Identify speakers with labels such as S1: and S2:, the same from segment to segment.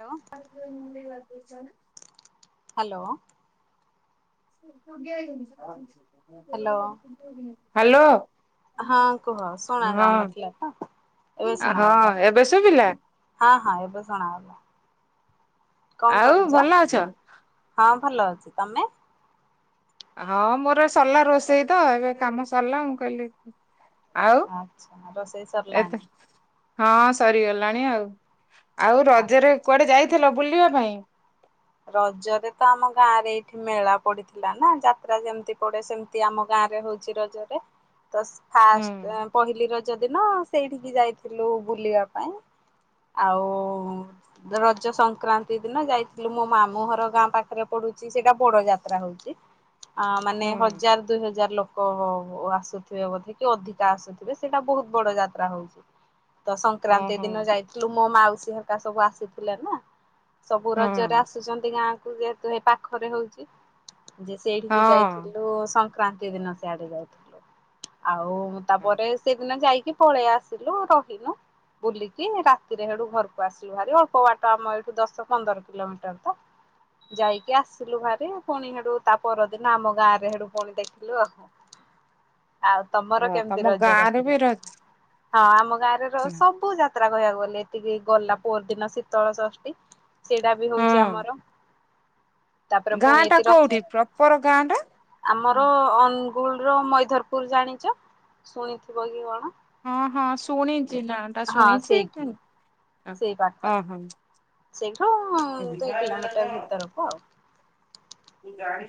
S1: Hello
S2: ଗୁଣ୍ଡି ବାତୀଛ ନା
S1: ହାଲୋ
S2: ପଗ ହେଇଯଣି [unintelligible]
S1: ହାଲୋ
S2: ହାଲୋ
S1: ହଁ କୁହ ଶୁଣା ଯାଉନଥିଲା ତ ଏବେ ଶୁଣାଗଲା।
S2: ହଁ ଏବେ ଶୁଭିଲା
S1: ହଁ ହଁ ଏବେ ଶୁଣାଗଲା। କଣ
S2: ଆଉ
S1: କରୁଛ?
S2: ଭଲ ଅଛ?
S1: ହଁ ଭଲ ଅଛି। ତମେ?
S2: ହଁ ମୋର ସରିଲା ରୋଷେଇ ତ ଏବେ କାମ ସରିଲା ମୁଁ କହିଲି ଆଉ
S1: ଆଚ୍ଛା ରୋଷେଇ
S2: ଏତେ
S1: ସରିଲାଣି?
S2: ହଁ ସରିଗଲାଣି ଆଉ। ଆଉ ରଜରେ କୁଆଡେ ଯାଇଥିଲ ବୁଲିବା ପାଇଁ?
S1: ରଜରେ ତ ଆମ ଗାଁ ରେ ଏଇଠି ମେଳା ପଡିଥିଲା ନା ଯାତ୍ରା ଯେମିତି ପଡେ ସେମ ତି ଆମ ଗାଁ ରେ ହଉଛି ରଜରେ, ତ
S2: ହୁଁ
S1: ଫାଷ୍ଟ ପହିଲି ରଜ ଦିନ ସେଇଠିକି ଯାଇଥିଲୁ ବୁଲିବା ପାଇଁ। ଆଉ ରଜ ସଂକ୍ରାନ୍ତି ଦିନ ଯାଇ ମୋ ମାମୁଁ ଘର ଗାଁ ପାଖରେ ପଡୁଛି ସେଇଟା ବଡ ଯାତ୍ରା ହଉଛି ଆ ମାନେ
S2: ହୁଁ
S1: ହଜାର ଦୁଇ ହଜାର ଲୋକ ଆସୁଥିବେ ବୋଧେ କି ଅଧିକା ଆସୁ ଥିବେ ସେଇଟା ବହୁତ ବଡ ଯାତ୍ରା ହଉଛି। ତ ସଂକ୍ରାନ୍ତି
S2: ଓହୋ
S1: ଦିନ ଯାଇଥିଲୁ ମୋ ମାଉସୀ ହେରିକା ସବୁ ଆସିଥିଲେ ନା ସବୁ
S2: ହଁ
S1: ର ଆସୁଛନ୍ତି ଗାଁ କୁ ଯେହତୁ ହେ ପାଖରେ ହଉଛି ଯେ ସେଇଠିକି
S2: ହଁ।
S1: ଯାଇଥିଲୁ। ସଂ କ୍ରାନ୍ତି ଦିନ ସିଆଡେ ଯାଇଥିଲୁ। ଆଉ ତାପରେ ସେଦିନ ଯାଇକି ପଳେଇ ଆସିଲୁ ରହିନୁ ବୁଲିକି ରାତିରେ ହେଠୁ ଘରକୁ ଆସିଲୁ ଭାରି ଅଳ୍ପ ବାଟ ଆମ ଏଇଠୁ ଦଶ ପନ୍ଦର କିଲୋମିଟର ତ। ଯାଇକି ଆସିଲୁ ଭାରି ପୁଣି ହେଡୁ ତା ପରଦିନ ଆମ ଗାଁ ରେ ହେଡୁ ପୁଣି ଦେଖି ଲୁ ଆଉ। ଆଉ
S2: ଓ
S1: ତମର କେମିତି
S2: ତମ
S1: ରଜ
S2: ଗାଁ ରେ ବି
S1: କଟିଲା?
S2: ରଜ
S1: ହଁ ଆମ ଗାଁରେ ର ସବୁ ଯାତ୍ରା କହିବାକୁ ଗଲେ ଏତିକି ଗଲା ପର ଦିନ ଶୀତଳ ଷଷ୍ଠୀ ସେଇଟା ବି ହଉଛି
S2: ହଁ
S1: ଆମର ତାପରେ ପୁଣି
S2: ଗାଁ ଟା
S1: ଏତି ରଥ
S2: କୋଉଠି ପ୍ରପର ଗାଁ ଟା?
S1: ଆମର ଅନୁଗୁଳର ମଇଧରପୁର ଜାଣିଚ। ଶୁଣିଥିବ କି କଣ?
S2: ହଁ ହଁ ଶୁଣିଚି ନାଁ ଟା
S1: ହଁ
S2: ଶୁଣିଚି
S1: ସେଇଠି
S2: ଜାଣିନି
S1: ସେଇ ପାଖରେ।
S2: ଓହୋ।
S1: ସେଇଠୁ
S2: ହଁ
S1: ଦୁଇ କିଲୋମିଟର ଭିତରକୁ ଆଉ।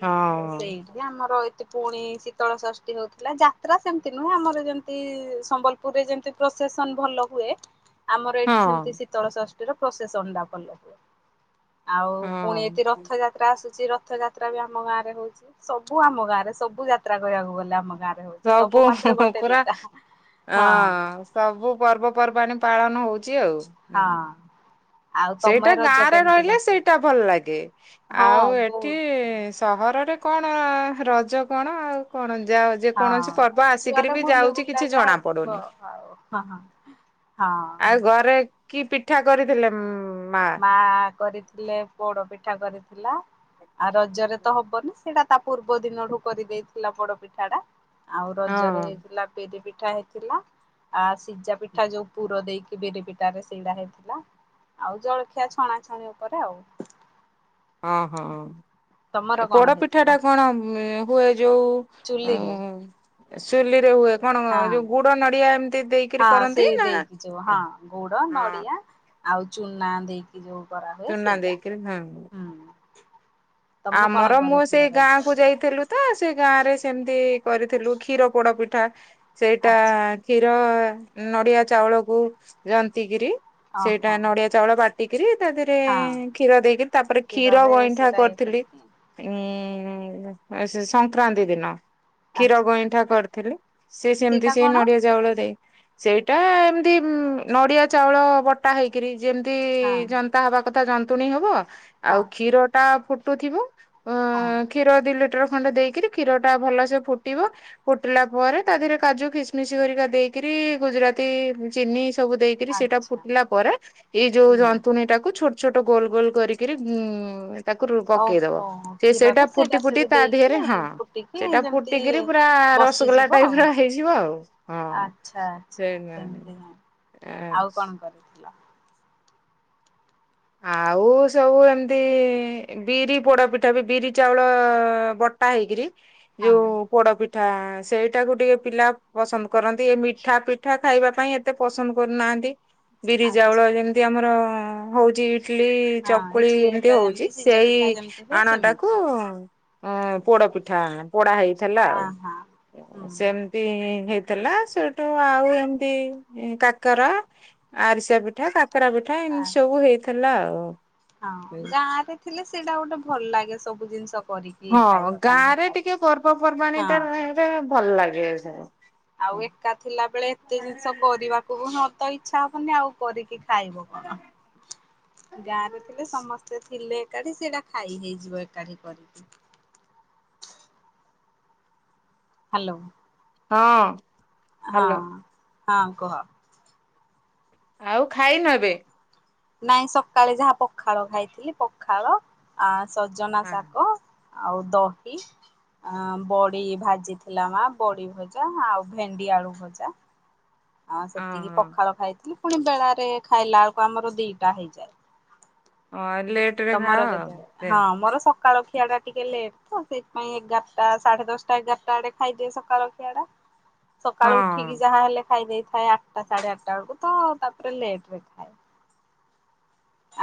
S2: ହଁ
S1: ଏ ଆମର ଏଠି ପୁଣି ଶୀତଳ ଷଷ୍ଠୀ ହଉଥିଲା। ଯାତ୍ରା ସେମିତି ନୁହେଁ। ଆମର ଯେମିତି ସମ୍ବଲ ପୁରୀରେ ଯେମିତି ପ୍ରସେସନ ଭଲ ହୁଏ। ଆମର
S2: ହଁ
S1: ଏଇଠି ସେମିତି ଶୀତଳ ଷଷ୍ଠୀର ପ୍ରସେସନଟା ଭଲ ହୁଏ। ଆଉ ପୁଣି
S2: ହଁ।
S1: ଏଠି ରଥଯାତ୍ରା ଆସୁଚି ରଥଯାତ୍ରା ବି ଆମ ଗାଁରେ ସେଇଥିପାଇଁ ହଉଚି। ସବୁ ଆମ ଗାଁରେ ସବୁ ଯାତ୍ରା କହିବାକୁ ଗଲେ ଆମ ଗାଁରେ। ହଉଛି
S2: ସବୁ
S1: ମାସରେ ଗୋଟେ
S2: ପୁରା
S1: ଦିଟା।
S2: ହଁ। ସବୁ ପର୍ବପର୍ବାଣି ପାଳନ ହଉଚି ଆଉ। ହୁଁ
S1: ହଁ। ଆଉ
S2: ସେଇଟା
S1: ତମେ ରଜ
S2: ଗାଁରେ
S1: କେମିତି
S2: ରହିଲେ ସେଇଟା
S1: କଟେଇଲ?
S2: ଭଲ ଲାଗେ।
S1: ହଁ
S2: ଆଉ ଏଠି
S1: ବହୁତ
S2: ସହରରେ କଣ ରଜ କଣ ଆଉ କଣ ଯାଅ
S1: ହଁ
S2: ଯେକୌଣସି ପର୍ବ ଆସିକିରି
S1: ଯୁଆଡେ
S2: ବି
S1: ବୁଲି
S2: ଯାଉଚି
S1: ବୁଲା
S2: କିଛି
S1: ଯାହା
S2: ଜଣା
S1: ଯିବ
S2: ପଡୁନି।
S1: ଆଉ ହଁ ହଁ ହଁ।
S2: ଆଉ ଘରେ କି ପିଠା କରିଥିଲେ ମା?
S1: ମା କରିଥିଲେ ପୋଡ଼ ପିଠା କରିଥିଲା। ଆଉ ରଜରେ ତ ହବନି ସେଇଟା ତା ପୂର୍ବ ଦିନଠୁ କରିଦେଇଥିଲା ପୋଡ଼ ପିଠାଟା। ଆଉ
S2: ହଁ
S1: ରଜରେ ହେଇଥିଲା। ବିରି ପିଠା ହେଇଥିଲା ଆଁ ସିଝା ପିଠା ଯୋଉ ପୁର ଦେଇକି ବିରି ପିଠାରେ ସେଇଡା ହେଇଥିଲା। ଆଉ ଜଳଖିଆ ଛଣାଛଣି ଉପରେ ଆଉ।
S2: ଅଁ ହଁ
S1: ତମର
S2: ଏ
S1: କଣ
S2: ପୋଡ଼
S1: ହେଇଥିଲା
S2: ପିଠାଟା କଣ ହୁଏ ଯୋଉ
S1: ଚୁଲିରେ।
S2: ଉଁ ଚୁଲିରେ ହୁଏ। କଣ
S1: ହଁ
S2: ଏ ଯୋଉ ଗୁଡ଼ ନଡ଼ିଆ ଏମିତି ଦେଇ କିରି
S1: ହଁ
S2: କରନ୍ତି
S1: ସେଇ
S2: ନା।
S1: ଦେଇକି ଯୋଉ ଗୁଡ
S2: ହଁ।
S1: ନଡିଆ ଆଉ ଚୁନା ଦେଇକି ଯୋଉ କରାହୁଏ
S2: ଚୁନା
S1: ସେଇଟା
S2: ଦେଇକିରି ହଁ।
S1: ହୁଁ। ତମେ କଣ
S2: ଆମର ମୁଁ
S1: କରିଥିଲ
S2: ସେଇ ଗାଁକୁ
S1: ରଜରେ?
S2: ଯାଇଥିଲୁ। ତ ସେ ଗାଁରେ ସେମିତି କରିଥିଲୁ କ୍ଷୀର ପୋଡ଼ ପିଠା ସେଇଟା
S1: ଆଚ୍ଛା
S2: କ୍ଷୀର ନଡ଼ିଆ ଚାଉଳକୁ ଯନ୍ତିକିରି ସେଇଟା
S1: ଓହୋ
S2: ନଡ଼ିଆ ଚାଉଳ ବାଟିକିରି ତା ଦେହରେ
S1: ହଁ
S2: କ୍ଷୀର ଦେଇକିରି ତାପରେ କ୍ଷୀର
S1: କ୍ଷୀରରେ
S2: ଗଇଁଠା
S1: ସେଇଟା ଇଏ
S2: କରି ଥିଲି।
S1: କରିକି
S2: ଏଁ ଏ ସେ ସଂକ୍ରାନ୍ତି ଦିନ। କ୍ଷୀର
S1: ଆଚ୍ଛା
S2: ଗଇଁଠା କରିଥିଲି। ସେ ସେମିତି
S1: ସେଇଟା
S2: ସେଇ
S1: କଣ?
S2: ନଡ଼ିଆ ଚାଉଳ ଦେଇ। ସେଇଟା ଏମିତି ନଡ଼ିଆ ଚାଉଳ ବଟା ହେଇକିରି ଯେମିତି
S1: ହଁ
S2: ଯ ଯନ୍ତା ହବା କଥା ଯନ୍ତୁଣୀ ହବ।
S1: ହଁ
S2: ଆଉ କ୍ଷୀରଟା ଫୁଟୁଥିବ। ଅଁ
S1: ହଁ
S2: କ୍ଷୀର ଦି ଲିଟର ଖଣ୍ଡେ ଦେଇକରି କ୍ଷୀରଟା ଭଲସେ ଫୁଟିବ। ଫୁଟିଲା ପରେ ତା ଦେହରେ କାଜୁ କିସମିଶ୍ ହେରିକା ଦେଇକିରି ଗୁଜୁରାତି ଚିନି ସବୁ ଦେଇ ଦେଇକିରି ସେଇଟା
S1: ଆଚ୍ଛା
S2: ଫୁଟିଲା ପରେ ଏଇ ଯୋଉ
S1: ହୁଁ।
S2: ଜନ୍ତୁଣୀଟାକୁ ଛୋ ଛୋଟ ଗୋଲ ଗୋଲ କରିକିରି ଉଁ ତାକୁ ପକେଇଦବ।
S1: ଓହୋ
S2: ସେ
S1: କ୍ଷୀରରେ
S2: ସେଇଟା ଫୁଟି ଫୁଟି
S1: ସେଠୁ
S2: ତା ଦେହରେ ହଁ
S1: ଦେଇକି ଫୁଟିକି
S2: ସେଟା
S1: ଯେମିତି
S2: ଫୁଟିକିରି ପୁରା ରସଗୋଲା
S1: ବସିଯିବ ଆଉ
S2: ଟାଇପର ହେଇଯିବ ଆଉ। ହଁ
S1: ଆଚ୍ଛା
S2: ସେ
S1: ଆଚ୍ଛା ସେମିତି ଆଉ କଣ କରିବି ଦିଅ?
S2: ଆଉ ସବୁ ଏମିତି ବିରି ପୋଡ଼ପିଠା ବି ବିରି ଚାଉଳ ବଟା ହେଇକିରି
S1: ହଁ
S2: ଯୋଉ ପୋଡ଼ ପିଠା ସେଇଟାକୁ ଟିକେ ପିଲା ପସନ୍ଦ କରନ୍ତି। ମିଠା, ପିଠା ଖାଇବା ପାଇଁ। କେତେ ପସନ୍ଦ କରୁନାହାନ୍ତି, ବିରି,
S1: ଆଚ୍ଛା
S2: ଚାଉଳ ଯେମିତି ଆମର ହଉଛି ଟଲି
S1: ହଁ
S2: ଚକୁଳି
S1: ଇଟଲି
S2: ଏମିତି
S1: ହେରିକା
S2: ହଉଛି
S1: ଯେମିତି ସିଝା
S2: ସେଇ
S1: ପିଠା ଯେମିତି ହୁଏ
S2: ଆଣଟାକୁ
S1: ସେମିତି।
S2: ହଁ ପୋଡ଼ ପିଠା ପୋଡ଼ା ହେଇଥିଲା
S1: ହଁ
S2: ଆଉ।
S1: ହଁ ହୁଁ
S2: ସେମ୍ ହେଇଥିଲା। ସେଠୁ ଆଉ ଏମତି କାକରା ଆରିସା ପିଠା, କାକରା ପିଠା
S1: ଆ
S2: ଏମିତି ସବୁ ହେଇଥିଲା।
S1: ହଁ ଗାଁ ରେ ଥିଲେ ସେଇଟା ଗୋଟେ ଭଲ ଲାଗେ ସବୁ ଜିନିଷ କରି।
S2: ହଁ ଗାଁରେ ଟିକେ ପର୍ବପର୍ବାଣୀ ଟା
S1: ହଁ।
S2: ରହିଲେ ଭଲଲାଗେ।
S1: ଆଉ ଏକା ଥିଲା ବେଳେ ଏତେ ଜିନିଷ କରିବା ମ ତ ଇଚ୍ଛା ହବନି ଆଉ କରିକି ଖାଇବୁ କଣ? ଗାଁ ରେ ଥିଲେ ସମସ୍ତେ ଥିଲେ ଏକାଠି ସେଇଟା ଖାଇ ହେଇଯିବ ଏକାଠି କରିକି। ହ୍ୟାଲୋ
S2: ହଁ ହାଲୋ
S1: ହଁ ହଁ କୁହ।
S2: ଆଉ ଖାଇନ ଏବେ।
S1: ନାଇଁ ସକାଳେ ଯାହା ପଖାଳ ଖାଇଥିଲି, ପଖାଳ, ସଜନା
S2: ହଁ
S1: ଶାଗ ଆଉ ଦହି ଅ ବଡ଼ି ଭାଜିଥିଲା ମା ବଡ଼ି ଭଜା ଆଉ ଭେଣ୍ଡି ଆଳୁ ଭଜା। ଆ ସେତିକି
S2: ହଁ
S1: ପଖାଳ ଖାଇଥିଲି, ପୁଣି ବେଳାରେ ଖାଇଲା ବେଳକୁ ଆମର ଦିଟା ହେଇଯାଏ।
S2: ହଁ ଲେଟ ରେ
S1: ତମର କେତେ
S2: ଖାଅ
S1: ହଁ ମୋର ସ ସକାଳ ଖିଆ ଟା ଟିକେ ଲେଟ୍ ତ ସେଇଥିପାଇଁ ଏଗାରଟା ସାଢ଼େ ଦଶଟା ଏଗାରଟା ବେଳେ ଖାଇଦେବି ସକାଳଖିଆଟା।
S2: ହ
S1: ସକାଳୁ ଉଠିକି ଯାହା ହେଲେ ଖାଇ ଦେଇଥାଏ ଆଠଟା ସାଢ଼େ ଆଠଟା ବେଳକୁ ତ ତାପରେ ଲେଟ୍।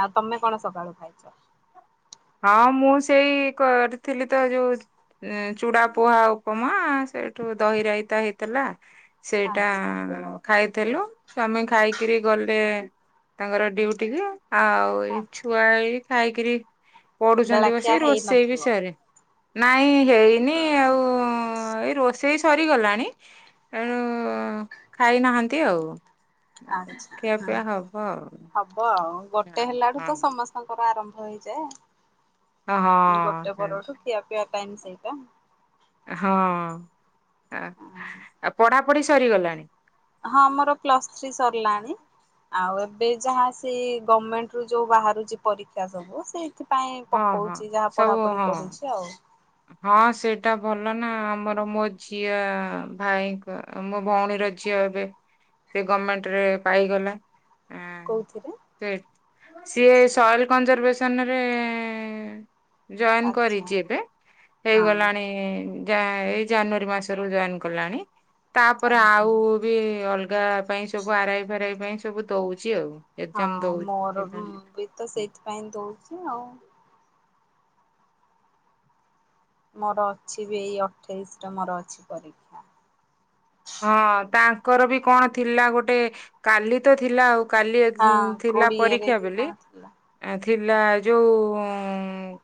S1: ଆଉ ତମେ କଣ ସକାଳୁ ଖାଇଛ?
S2: ହଁ ମୁଁ ସେଇ କରିଥିଲି ତ ଯୋଉ ଚୂଡା ପୁହା ଉପମା ସେଇଠୁ ଦହିରାଇତା ହେଇଥିଲା। ସେଇଟା
S1: ଆଚ୍ଛା
S2: ଖାଇଥିଲୁ, ସ୍ୱାମୀ ଖାଇକିନି ଗଲେ ତାଙ୍କର ଡ୍ୟୁଟିକି ଆ ଏଇ
S1: ଆଚ୍ଛା
S2: ଛୁଆ ଖାଇକିରି ପଢୁଛନ୍ତି
S1: ବେଳାଖିଆ
S2: ବସିକ ରୋଷେଇ
S1: ହେଇନଥିବ।
S2: ବି ସରିନି। ନାଇଁ ହେଇନି ଆଉ ଏଇ ରୋଷେଇ ସରିଗଲାଣି ଏଣୁ ଖାଇନାହାନ୍ତି ଆଉ
S1: ଆଚ୍ଛା
S2: ଖିଆପିଆ ହବ ଆଉ।
S1: ହବ ଆଉ ଗୋଟେ ହେଲାଠୁ ତ ସମସ୍ତଙ୍କର ଆରମ୍ଭ ହେଇଯାଏ।
S2: ଓ ହଁ
S1: ଗୋଟେ
S2: ସେ
S1: [unintelligible]
S2: ହଁ ଆ ଆ ପଢ଼ାପଢ଼ି ସରିଗଲାଣି।
S1: ହଁ ମୋର ପ୍ଲସ୍ ଥ୍ରୀ ସରିଲାଣି। ଆଉ ଏବେ ଯାହା ସେଇ ଗଭର୍ଣମେଣ୍ଟରୁୁ ଯୋଉ ବାହାରୁଛି ପରୀକ୍ଷା ସବୁ ସେଇ ଏଥିପାଇଁ
S2: ହଁ ହଁ
S1: ପକଉଚି ଯାହା
S2: ସବୁ
S1: ପଢ଼ାପଢ଼ି
S2: ହଁ।
S1: କରୁଚି ଆଉ।
S2: ହଁ ସେଇଟା ଭଲ ନା ଆମର ମୋ ଝିଅ ଭାଇଙ୍କ ମୋ ଭଉଣୀର ଝିଅ ଏବେ ସେ ଗଭର୍ମେଣ୍ଟରେ ପାଇଗଲା। ଆଁ,
S1: କଉଥିରେ?
S2: ସେ ସିଏ ସଏଲ କଂଜରଭେସନରେ ଜଏନ
S1: ଆଚ୍ଛା
S2: କରିଛି ଏବେ।
S1: ହଁ
S2: ହେଇଗଲାଣି ଏଇ ଜାନୁଆରୀ ମାସରୁ ଜଏନ କଲାଣି। ତାପରେ
S1: ଓହୋ
S2: ଆଉ ବି ଅଲଗା ପାଇଁ ସବୁ ଆରାଇ ଫେରାଇ ପାଇଁ ସବୁ ଦଉଛି ଆଉ। ଏକ୍ଜାମ
S1: ହଁ ମୋର ବି ବି ତ
S2: ଦଉଛି।
S1: ସେଇଥିପାଇଁ ଦୋଉଚି ଆଉ। ମୋର ଅଛି ବି ଏଇ ଅଠେଇଶି ଟା ମୋର ଅଛି ପରୀ
S2: ହଁ ତାଙ୍କର ବି କଣ ଥିଲା ଗୋଟେ କାଲି ତ ଥିଲା ଆଉ। କାଲି ଏକ
S1: ହଁ
S2: ଥିଲା
S1: କୋଡିଏରେ
S2: ପରୀକ୍ଷା
S1: କି
S2: ବେଲି।
S1: କଣ ଥିଲା
S2: ଏଁ ଥିଲା ଯୋଉ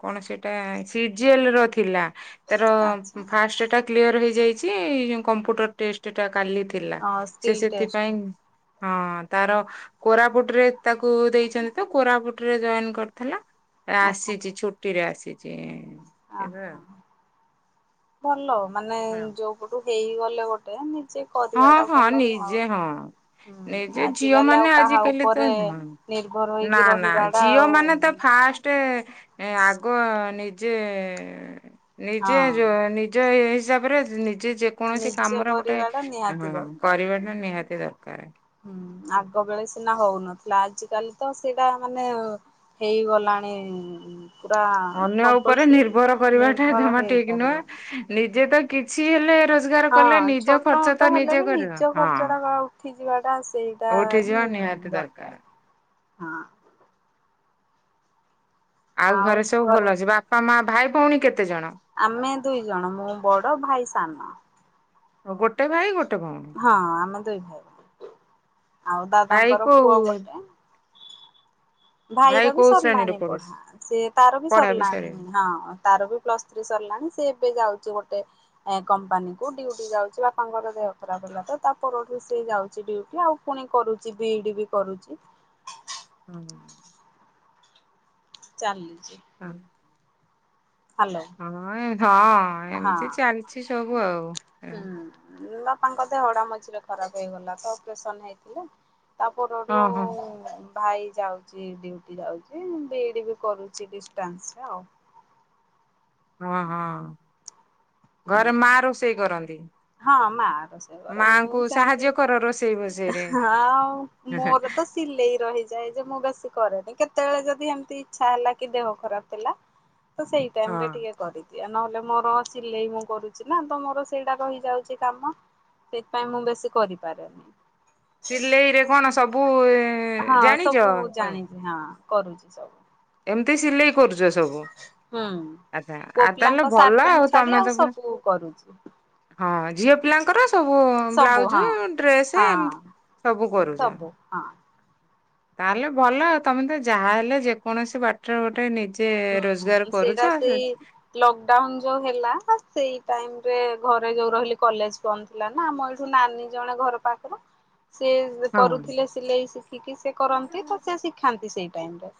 S2: କଣ ସେଟା ସି ଜି ଏଲ୍ ର ଥିଲା। ତାର
S1: ଆଚ୍ଛା
S2: ଫାଷ୍ଟ ଟା କ୍ଲିୟର ହେଇଯାଇଛି କମ୍ପୁଟର ଟେଷ୍ଟା କାଲି ଥିଲା ସିଏ
S1: ସ୍କିଲ୍ ଟେଷ୍ଟ
S2: ସେଥିପାଇଁ ହଁ ତାର କୋରାପୁଟରେ ତାକୁ ଦେଇଛନ୍ତି ତ କୋରାପୁଟ ରେ ଜଏନ କରିଥେଲା। ଏ
S1: ଓହୋ
S2: ଆସିଚି ଛୁଟିରେ ଆସିଚି
S1: ଆ
S2: ଏବେ ଆଉ।
S1: ଭଲ ମାନେ
S2: ଆଉ
S1: ଯୋଉ ପଟୁ ହେଇଗଲେ ଗୋଟେ ନି
S2: ହଁ ହଁ ନିଜେ ହଁ।
S1: ହୁଁ
S2: ନିଜେ ଝିଅ
S1: ଆଜିକାଲି
S2: ମାନେ
S1: ଆଉ କାହା
S2: ଆଜିକାଲି ତ
S1: ଉପରେ
S2: ହଁ
S1: ନିର୍ଭର
S2: ନା
S1: ହେଇକି
S2: ନା
S1: ରହିବାଟା
S2: ଝିଅ
S1: ଆଉ
S2: ମାନେ ତ ଫାଷ ଷ୍ଟେ ଏଁ ଆଗ ନି ଜେ ନିଜେ
S1: ହଁ
S2: ଯୋ ନିଜ ଏ ହିସାବରେ ନିଜେ କୌଣସି
S1: ନିଜେ
S2: କାମର ଗୋଟେ
S1: କରିବା ଟା ନିହାତି
S2: ହଁ
S1: ଦରକାର।
S2: କରିବା ଟା ନିହାତି ଦରକାରେ।
S1: ହୁଁ ଆଗ ବେଳେ ସିନା ହୋଉନଥିଲା ଆଜି କାଲି ତ ସେଇଟା ମାନେ ହେଇଗଲାଣି। ପୁରା
S2: ଅନ୍ୟ ଉପରେ
S1: କମ୍ପଲସରି
S2: ନିର୍ଭର କରିବାଟା
S1: ନିର୍ଭର
S2: ଜମା ଠିକ
S1: ହେଇପାରିବ।
S2: ନୁହେଁ ନିଜେ ତ କିଛି ହେଲେ ରୋଜଗାର
S1: ହଁ
S2: କଲେ ନିଜ
S1: ଛୋଟ
S2: ଖର୍ଚ୍ଚ ତ ନିଜେ କରିବ ହଁ।
S1: ଉଠି ଯିବାଟା ସେଇଟା
S2: ଉଠିଯିବା
S1: ହୁଁ
S2: ନିହାତି
S1: ଦରକାର।
S2: [inaudible]
S1: ହଁ।
S2: ଆଉ ଘରେ ସବୁ ଭଲ ଅଛି ବାପା ମା ଭାଇ ଭୋଉଣୀ କେତେଜଣ।
S1: ଆମେ ଦୁଇ ଜଣ ମୁଁ ବଡ ଭାଇ ସାନ।
S2: ଗୋଟେ ଭାଇ ଗୋଟେ ଭଉଣୀ?
S1: ହଁ ଆମେ ଦୁଇ ଭାଇ। ଆଉ
S2: ଭାଇ
S1: ଦାଦାଙ୍କର
S2: କୋଉ
S1: ପୁଅ ଗୋଟେ।
S2: ଭାଇ
S1: ଭାଇର ବି
S2: କୋଉ ଶ୍ରେଣୀରେ
S1: ସରିଲାଣି
S2: ପଢୁ
S1: ପଢା ସିଏ ତାର ବି
S2: ପଢା ବିଷୟରେ?
S1: ସରିଲାଣି ହଁ। ତାର ବି ପ୍ଲସ୍ ଥ୍ରୀ ସରିଲାଣି ସିଏ ଏବେ ଯାଉଚି ଗୋଟେ ଏ କମ୍ପାନୀ କୁ ଡିୟୁଟି ଯାଉଚି ବାପାଙ୍କର ଦେହ ଖରାପ ହେଲା ତ ତା ପରଠୁ ସିଏ ଯାଉଚି ଡିୟୁଟି ଆଉ ପୁଣି କରୁଚି ବିଇ ଡି ବି କରୁଚି।
S2: ହଁ।
S1: ଚାଲିଚି।
S2: ହଁ ହଁ ହଁ
S1: ହଁ
S2: ଏମିତି ଚାଲ ଛି ସବୁ ଆଉ।
S1: ହୁଁ ବାପାଙ୍କ ଦେହଟା ମଝିରେ ଖରାପ ହେଇଗଲା ତ ଅପରେସନ ହେଇଥିଲେ।
S2: ହଁ
S1: ତାପରଠୁ
S2: ହଁ
S1: ଭାଇ ଯାଉଚି ଡିୟୁଟି ଯାଉଚି ଵିଇ ଡି ବି କରୁଛି ଡିଷ୍ଟାନ୍ସରେ ଆଉ।
S2: ହଁ ହଁ ଘରେ
S1: ହୁଁ
S2: ମା ରୋଷେଇ କରନ୍ତି।
S1: ହଁ ମା ରୋଷେଇ କରେ ମୁଁ
S2: ମାଙ୍କୁ ସାହାଯ୍ୟ କର ରୋଷେଇ
S1: ସେମିତି
S2: ବୋଷେଇରେ
S1: ହଁ ମୋର ତ ସିଲେଇ ରହିଯାଏ ଯେ ମୁଁ ବେଶୀ କରେନି କେତେବେଳେ ଯଦି ଏମିତି ଇଚ୍ଛା ହେଲା କି ଦେହ ଖରାପ ହେଲା
S2: [inaudible]
S1: ତ ସେଇ ଟାଇମ ରେ
S2: ହଁ।
S1: ଟିକେ କରିଦିଏ ନହେଲେ ମୋର ସିଲେଇ ମୁଁ କରୁଛି ନା ତ ମୋର ସେଇଡ଼ା ରହିଯାଉଚି କାମ। ସେଥିପାଇଁ ମୁଁ ବେଶୀ କରିପାରେନି।
S2: ସିଲେଇରେ କଣ ସବୁ
S1: ହଁ
S2: ଜାଣିଛ?
S1: ସବୁ ଜାଣିଚି ହଁ କରୁଚି ସବୁ।
S2: ଏମ୍ତି ସିଲେଇ କରୁଚ ସବୁ।
S1: ହୁଁ।
S2: ଆଚ୍ଛା
S1: ପୁଅ
S2: ଆଉ
S1: ପିଲାଙ୍କ
S2: ତାହେଲେ
S1: ସାର୍ଟ
S2: ଭଲ
S1: ପ୍ୟାଣ୍ଟ
S2: ଆଉ
S1: ଛାଡି
S2: ତମେ ତ ପୁରା
S1: ସବୁ କରୁଛି
S2: ହଁ ଝିଅ ପିଲାଙ୍କର ସବୁ
S1: ସବୁ
S2: ବ୍ଲାଉଜ୍,
S1: ହଁ
S2: ଡ୍ରେସ୍ ଏମ୍ତି
S1: ହଁ
S2: ସବୁ କରୁଚ।
S1: ସବୁ ହଁ।
S2: ତାହେଲେ ଭଲ ଆଉ, ତମେ ତ ଯାହାହେଲେ ଯେକୌଣସି ବା ଟ ଗୋଟେ ନିଜେ ରୋଜଗାର କରୁଚ ସେ
S1: ଲକଡାଉନ୍ ଯୋଉ ହେଲା ସେଇ ଟାଇମ୍ ରେ ଘରେ ଯୋଉ ରହିଲି କଲେଜ୍ ବନ୍ଦ ଥିଲା ନା ଆମ ଏଇଠୁ ନାନୀ ଜଣେ ଘର ପାଖ ସିଏ
S2: ହଁ
S1: କରୁଥିଲେ ସିଲେଇ ଶିଖିକି ସେ କରନ୍ତି ତ ସେ ଖାନ୍ତି ସେଇ ଟାଇମ୍ ରେ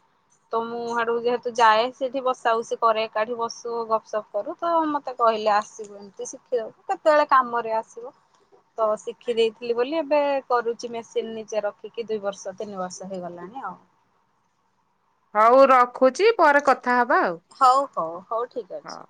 S1: ତ ମୁଁ ଆଡୁ ଯେହେ ତ ଯାଏ ସେଇଠି ବସାଉସି କରେ ଏକାଠି ବସୁ ଗପ୍ ସପ୍ କରୁ ତ ମତେ କହିଲେ ଆସିବୁ। ମତେ ଶିଖେଇଦବୁ ତ କେତବେଳେ କାମରେ ଆସିବ। ତ ଶିଖି ଦେଇଥିଲି ବୋଲି ଏବେ କରୁଚି ମେସିନ୍ ନିଜେ ରଖିକି ଦୁଇ ବର୍ଷ ତିନି ବର୍ଷ ହେଇଗଲା। [unintelligible] ଆଉ।
S2: ହଉ ରଖୁଚି ପରେ କଥା ହବା ଆଉ।
S1: ହଉ-ହଉ-ହଉ ଠିକ୍
S2: ହଁ।
S1: ଅଛି।